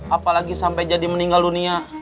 apalagi sampai jadi meninggal dunia